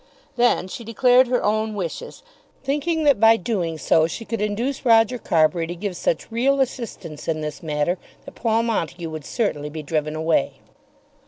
Then she declared her own wishes, thinking that by doing so she could induce Roger Carbury to give such real assistance in this matter that Paul Montague would certainly be driven away.